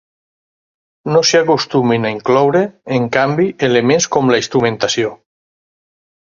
No s'hi acostumen a incloure, en canvi, elements com la instrumentació.